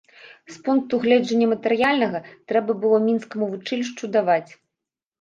З пункту гледжання матэрыяльнага, трэба было мінскаму вучылішчу даваць.